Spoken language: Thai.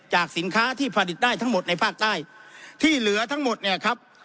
สินค้าที่ผลิตได้ทั้งหมดในภาคใต้ที่เหลือทั้งหมดเนี่ยครับ